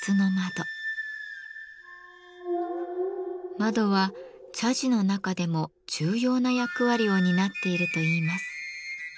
窓は茶事の中でも重要な役割を担っているといいます。